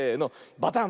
バタン。